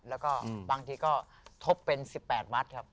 แล้วก็บางทิ่งก็ทบเป็น๑๘วัดครับ